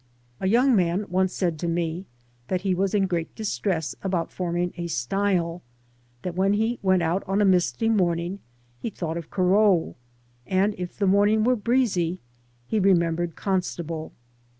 A young man once said to me, that he was in great distress about forming a style; that when he went out on a misty morning he thought of Gorot, and if the morning were breezy he remembered Constable.